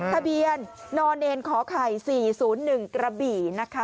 ทะเบียนนอนเอนขอไข่๔๐๑ระบี่นะคะ